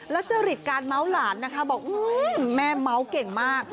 แล้วจริตการเมาส์หลานนะคะบอกแม่เมาส์เก่งมาก